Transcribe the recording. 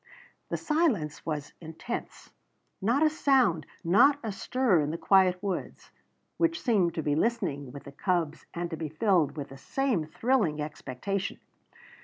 The silence was intense; not a sound, not a stir in the quiet woods, which seemed to be listening with the cubs and to be filled with the same thrilling expectation.